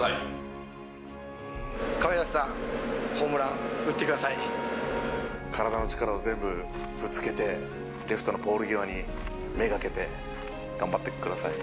亀梨さん、体の力を全部ぶつけて、レフトのポール際に目がけて頑張ってください。